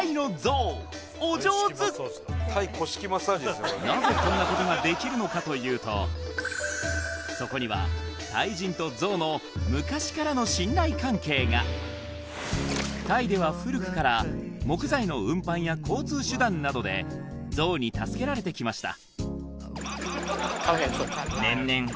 さすがなぜこんなことができるのかというとそこにはタイ人とゾウの昔からの信頼関係がタイでは古くから木材の運搬や交通手段などでゾウに助けられてきました